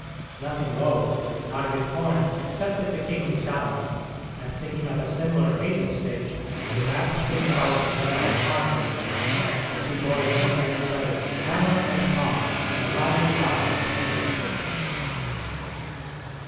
Nothing loath, Arvid Horn accepted the kingly challenge, and picking up a similar hazel stick, he rapped King Charles' weapon smartly, and the two boys went at each other "hammer and tongs" in a lively bout at "single stick."